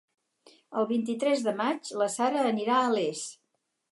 El vint-i-tres de maig na Sara anirà a Les.